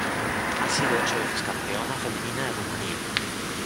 Ha sido ocho veces Campeona femenina de Rumanía.